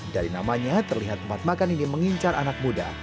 dari namanya terlihat tempat makan ini mengincar anak muda